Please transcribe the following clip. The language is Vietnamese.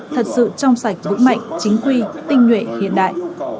thật sự trong sạch vững mạnh chính quy tinh nhuệ hiện đại